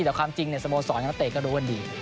แต่ความจริงในสโมสรนักเตะก็รู้ว่าดี